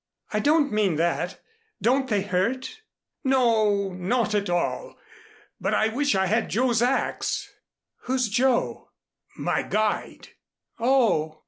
"I didn't mean that. Don't they hurt?" "No, not at all. But I wish I had Joe's axe." "Who's Joe?" "My guide." "Oh."